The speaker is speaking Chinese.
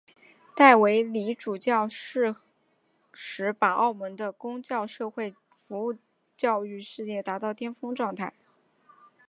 戴维理主教适时把澳门的公教社会服务教育事业达到巅峰状态。